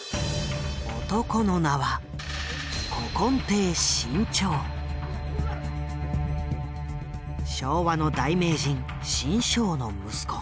男の名は昭和の大名人志ん生の息子。